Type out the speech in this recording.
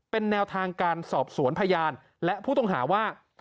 เป็นแนวทางการสอบสวนพยานและผู้ต้องหาว่า